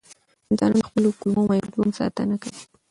انسانان د خپل کولمو مایکروبیوم ساتنه کوي.